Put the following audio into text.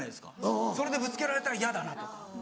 それでぶつけられたらヤダなとか。